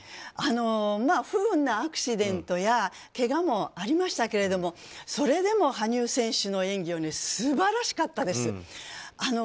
不運なアクシデントやけがもありましたけれどもそれでも羽生選手の演技は素晴らしかったです。